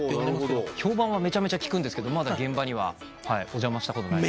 評判はめちゃめちゃ聞くんですけどまだ現場にはお邪魔したことない。